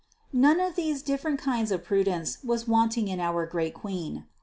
547. None of these different kinds of prudence was wanting in our great Queen.